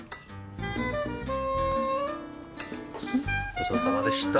ごちそうさまでした。